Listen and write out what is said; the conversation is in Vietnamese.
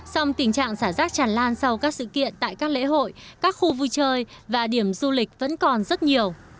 song tình trạng xả rác tràn lan sau các sự kiện tại các lễ hội các khu vui chơi và điểm du lịch vẫn còn rất nhiều